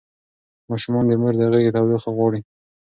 ماشومان د مور د غېږې تودوخه غواړي.